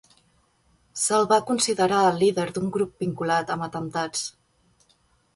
Se'l va considerar el líder d'un grup vinculat amb atemptats.